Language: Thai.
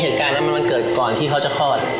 เหตุการณ์นั้นมันเกิดก่อนที่เขาจะคลอด